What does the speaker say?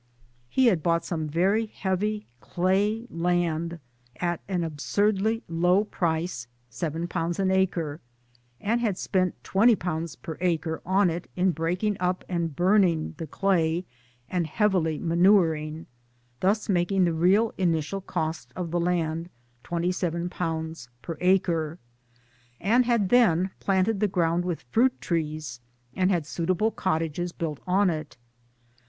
He had bought some very heavy clay land at an absurdly low price, 7 an acre, and had spent 20 per acre on it in breaking up and burning the clay and heavily manuring, thus making the real initial cost of the land 27 per acre ; and had then planted the ground with fruit trees and had suitable cottages built on it.